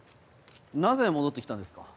なぜ戻って来たんですか？